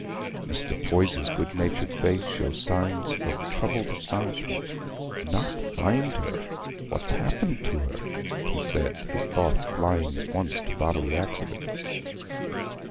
Mr. Poyser's good natured face showed signs of troubled astonishment. "Not find her? What's happened to her?" he said, his thoughts flying at once to bodily accident.